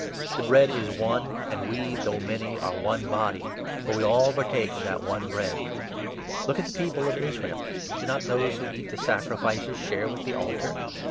The Bread is 17 one, and we, though many, are one body ; for we all partake of that one Bread. Look at the people of Israel. Do not those 18 who eat the sacrifices share with the altar